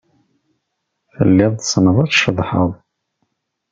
Telliḍ tessneḍ ad tceḍḥeḍ.